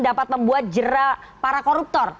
dapat membuat jerah para koruptor